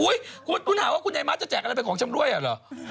คุณหาว่าคุณนายมัสจะแจกอะไรเป็นของชำรวยอ่ะเหรอ